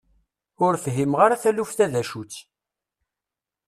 Ur fhimeɣ ara taluft-a d acu-tt.